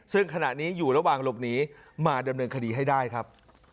ซึ่งขณะนี้อยู่ระหว่างหลบหนีมาดำเนินคดีให้ได้ครับ